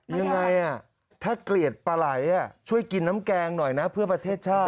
ยังไงถ้าเกลียดปลาไหล่ช่วยกินน้ำแกงหน่อยนะเพื่อประเทศชาติ